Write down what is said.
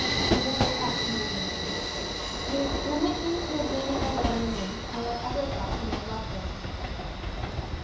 With a great effort he resumed "to permit me to examine my brother's room, and whatever effects he may have left there."